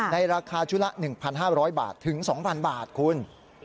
ในราคาชุดละ๑๕๐๐บาทถึง๒๐๐บาทคุณ